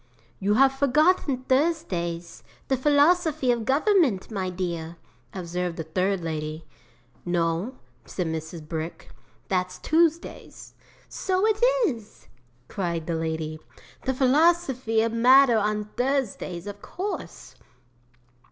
'"You have forgotten Thursdays; the Philosophy of Government, my dear," observed a third lady. '"No," said Mrs. Brick, "that's Tuesdays." '"So it is!" cried the lady. "The Philosophy of Matter on Thursdays, of course."